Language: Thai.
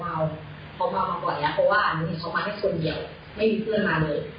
เขามามาบ่อยเพราะว่าเค้ามาให้คนเดียวไม่มีเพื่อนมาเลย